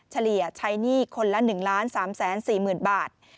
เฉลี่ยใช้หนี้คนละ๑๓๔๐๐๐บาท